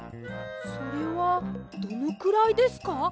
それはどのくらいですか？